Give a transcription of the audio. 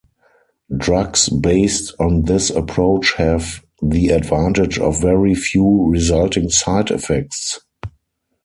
Drugs based on this approach have the advantage of very few resulting side effects.